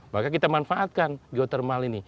maka kita manfaatkan geotermal ini